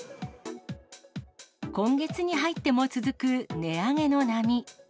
今月に入っても続く値上げの波。